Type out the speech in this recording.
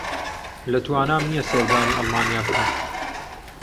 لە توانام نییە سەردانی ئەڵمانیا بکەم.